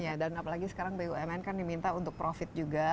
ya dan apalagi sekarang bumn kan diminta untuk profit juga